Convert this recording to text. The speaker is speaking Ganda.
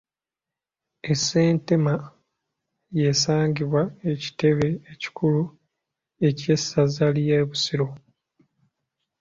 E Ssentema y’esangibwa ekitebe ekikulu eky’essaza ly’e Busiro.